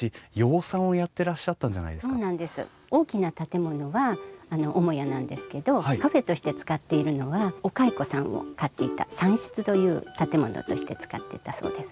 大きな建物はあの母屋なんですけどカフェとして使っているのはお蚕さんを飼っていた蚕室という建物として使ってたそうです。